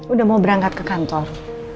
udah mau berangkat ke kantor